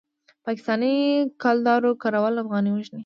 د پاکستانۍ کلدارو کارول افغانۍ وژني.